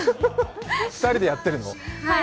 ２人でやってるの？